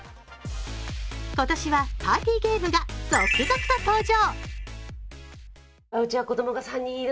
今年はパーティーゲームが続々と登場。